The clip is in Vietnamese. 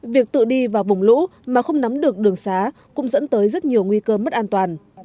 việc tự đi vào vùng lũ mà không nắm được đường xá cũng dẫn tới rất nhiều nguy cơ mất an toàn